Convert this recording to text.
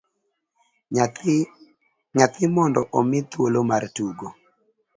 Nyathi mondo omi thuolo mar tugo